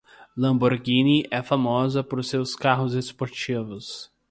Lamborghini é famosa por seus carros esportivos.